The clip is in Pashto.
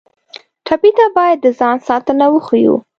ټپي ته باید د ځان ساتنه وښیو.